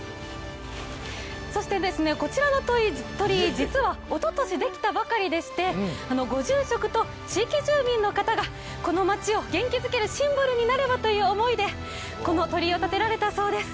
そしてこちらの鳥居、実はおととしできたばかりでしてご住職と地域住民の方がこの地域を元気づけることができればとこの鳥居を建てられたそうです。